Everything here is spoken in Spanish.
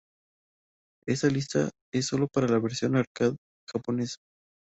Esta lista es solo para la versión arcade japonesa.